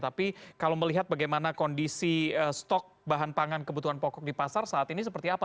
tapi kalau melihat bagaimana kondisi stok bahan pangan kebutuhan pokok di pasar saat ini seperti apa